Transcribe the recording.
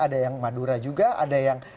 ada yang madura juga ada yang